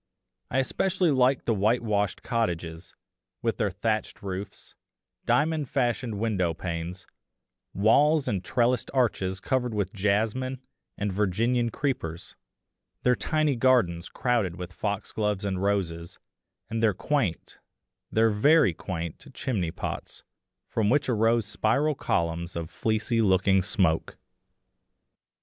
I especially liked the whitewashed cottages, with their thatched roofs, diamond fashioned window panes, walls and trellised arches covered with jasmine and Virginian creepers; their tiny gardens crowded with foxgloves and roses, and their quaint, their very quaint chimney pots, from which arose spiral columns of fleecy looking smoke.